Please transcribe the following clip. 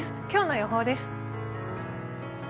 今日の予報です。